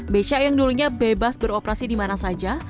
beca yang dulunya bebas beroperasi di mana saja